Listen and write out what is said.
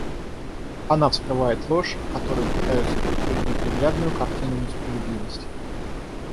Она вскрывает ложь, которой пытаются прикрыть неприглядную картину несправедливости.